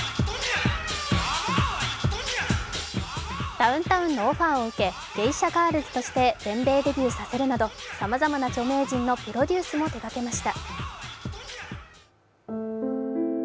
ダウンタウンのオファーを受けＧＥＩＳＨＡＧＩＲＬＳとして全米デビューさせるなどさまざまな著名人のプロデュースも手がけました。